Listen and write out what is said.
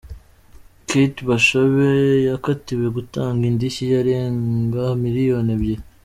Kate Bashabe yakatiwe gutanga indishyi yarenga miliyoni ebyiri.